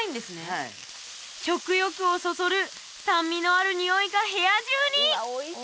はい食欲をそそる酸味のあるにおいが部屋中に！